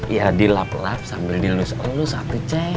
ya dilap lap sambil dilus elus satu cek